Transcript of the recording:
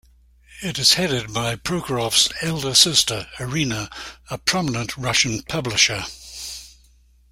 It is headed by Prokhorov's elder sister, Irina, a prominent Russian publisher.